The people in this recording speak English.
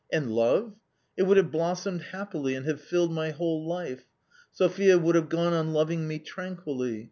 And love ? It would have blossomed happily and have filled my whole life. Sophia would have gone on loving me tranquilly.